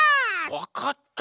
わかった！